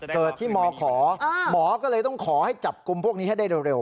เกิดที่มขหมอก็เลยต้องขอให้จับกลุ่มพวกนี้ให้ได้เร็ว